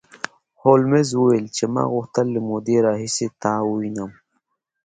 هولمز وویل چې ما غوښتل له مودې راهیسې تا ووینم